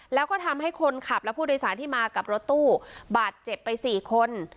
แล้วก็ทำให้คนขับและผู้โดยสารที่มากับรถตู้บาดเจ็บไป๔คน